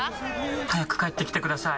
早く帰ってきてください。